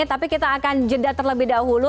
tapi kita akan jeda terlebih dahulu